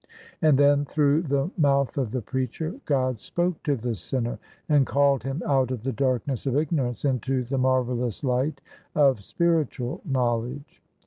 And then, through the mouth of the preacher, God spoke to the sinner, and called him out of the darkness of ignorance into the marvellous light of spiritual knowledge.